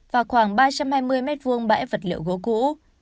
và khoảng ba trăm hai mươi m hai bãi vật liệu gỗ cũ